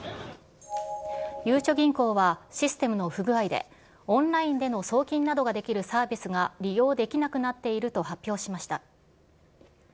ゆうちょ銀行は、システムの不具合で、オンラインでの送金などができるサービスが利用できなくなっていると発表しました。